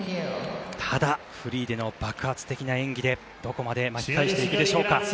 ただ、フリーでの爆発的な演技でどこまで巻き返していくでしょうか。